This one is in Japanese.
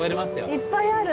いっぱいある。